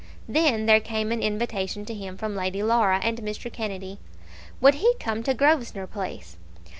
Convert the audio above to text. Then there came an invitation to him from Lady Laura and Mr. Kennedy. Would he come to Grosvenor Place?